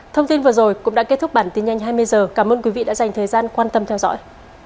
cảm ơn các bạn đã theo dõi và hẹn gặp lại